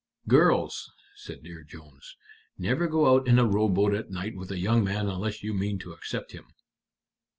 "Girls," said Dear Jones, "never go out in a rowboat at night with a young man unless you mean to accept him."